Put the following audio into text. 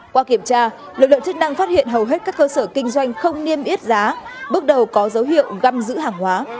qua kiểm tra lực lượng chức năng phát hiện hầu hết các cơ sở kinh doanh không niêm yết giá bước đầu có dấu hiệu găm giữ hàng hóa